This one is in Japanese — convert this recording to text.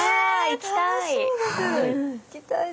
行きたい。